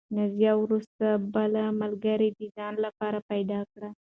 نازیې وروسته بله ملګرې د ځان لپاره پیدا کړه.